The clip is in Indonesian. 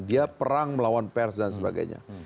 dia perang melawan pers dan sebagainya